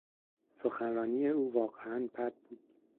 سخنرانی او واقعا بد بود.